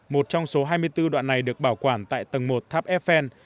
một trong số hai mươi bốn đoạn này được bảo quản tại tầng một tháp eiffel